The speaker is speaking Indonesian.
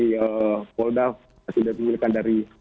dari polda atau sudah dihilangkan dari